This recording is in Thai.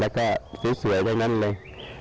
นะครับและก็สวยด้วยนั้นเลย